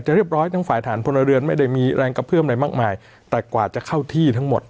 เรียบร้อยทั้งฝ่ายฐานพลเรือนไม่ได้มีแรงกระเพื่อมอะไรมากมายแต่กว่าจะเข้าที่ทั้งหมด